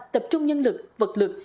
tập trung nhân lực vật lực